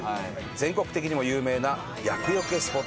全国的にも有名な厄除けスポットがあります。